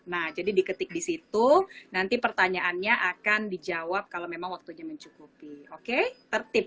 nah jadi diketik disitu nanti pertanyaannya akan dijawab kalau memang waktunya mencukupi oke tertib